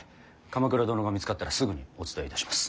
鎌倉殿が見つかったらすぐにお伝えいたします。